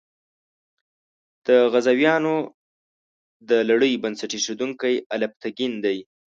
د غزنویانو د لړۍ بنسټ ایښودونکی الپتکین دی.